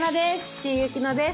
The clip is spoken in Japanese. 岸井ゆきのです。